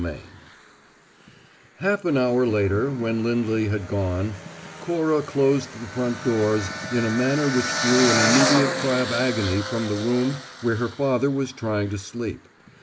CHAPTER FIVE Half an hour later, when Lindley had gone, Cora closed the front doors in a manner which drew an immediate cry of agony from the room where her father was trying to sleep.